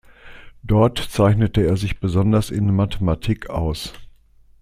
Dort zeichnete er sich besonders in Mathematik aus.